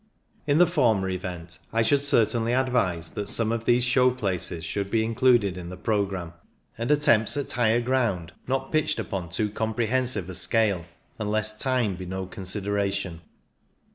In the former event I should certainly advise that some of these show places should be included in the programme, and attempts at higher ground not pitched upon too 243 244 CYCLING IN THE ALPS comprehensive a scale, unless time be no consideration.